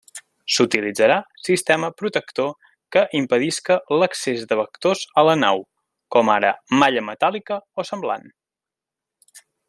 S'utilitzarà sistema protector que impedisca l'accés de vectors a la nau, com ara malla metàl·lica o semblant.